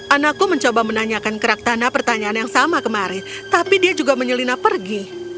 anakku mencoba menanyakan kerak tanah pertanyaan yang sama kemarin tapi dia juga menyelinap pergi